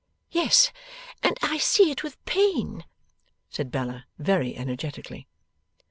'Yes, and I see it with pain,' said Bella, very energetically.